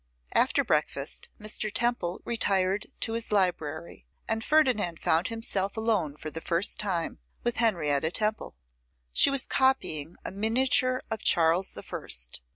After breakfast Mr. Temple retired to his library, and Ferdinand found himself alone for the first time with Henrietta Temple. She was copying a miniature of Charles the First.